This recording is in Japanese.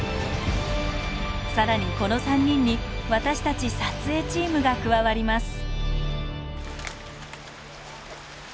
さらにこの３人に私たち撮影チームが加わります。